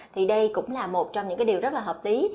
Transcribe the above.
thì đây cũng là một trong những cái điều rất là hợp lý